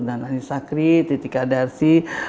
nah ini sakri titika darsi